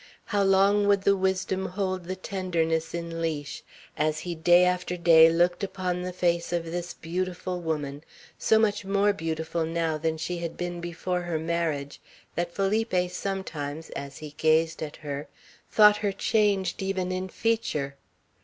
How long would the wisdom hold the tenderness in leash, as he day after day looked upon the face of this beautiful woman, so much more beautiful now than she had been before her marriage, that Felipe sometimes, as he gazed at her, thought her changed even in feature?